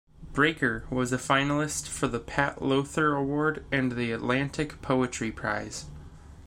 "Breaker" was a finalist for the Pat Lowther Award and the Atlantic Poetry Prize.